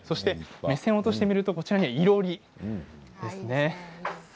目線を落としてみると、いろり。